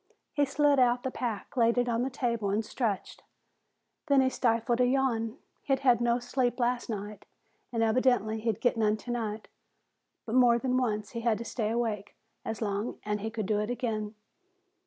He slid out of the pack, laid it on the table and stretched. Then he stifled a yawn. He'd had no sleep last night and evidently he'd get none tonight, but more than once he'd had to stay awake as long, and he could do it again.